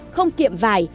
không kiệm vải